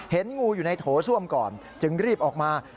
เห็นงูอยู่ในโถส้วมก่อนจึงรีบออกมา